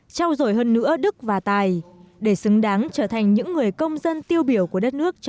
trao dồi hơn nữa đức và tài để xứng đáng trở thành những người công dân tiêu biểu của đất nước